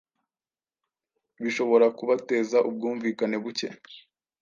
Bishobora kubateza ubwumvikane bucye